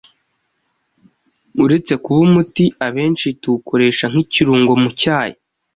uretse kuba umuti, abenshi tuwukoresha nk’ikirungo mu cyayi